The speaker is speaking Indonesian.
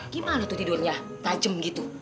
gimana tuh tidurnya tajam gitu